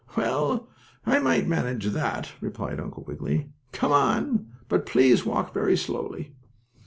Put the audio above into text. "Well, I might manage that," replied Uncle Wiggily. "Come on, but please walk very slowly."